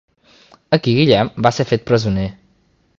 Aquí Guillem va ser fet presoner.